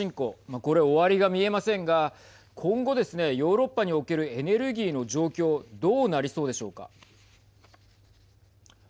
これ終わりが見えませんが今後ですね、ヨーロッパにおけるエネルギーの状況どうなりそうでしょうか。